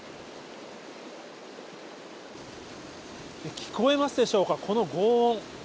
聞こえますでしょうか、このごう音。